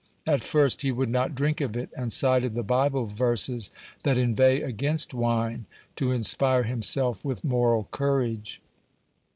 At first he would not drink of it, and cited the Bible verses that inveigh against wine, to inspire himself with moral courage.